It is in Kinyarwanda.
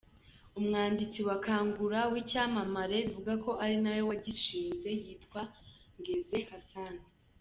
Umwanditsi wa Kangura w’icyamamare bivugwa ko ari nawe wagishinje yitwa Ngeze Hassan.